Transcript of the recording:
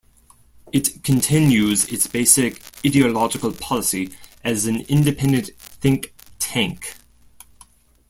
It continues its basic ideological policy as an independent think tank.